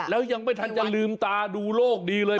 แล้วยังไม่ทันจะลืมตาดูโลกดีเลย